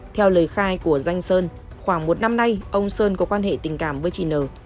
theo lời khai của danh sơn khoảng một năm nay ông sơn có quan hệ tình cảm với chị n